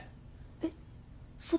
えっ？